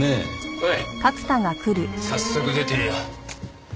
おい。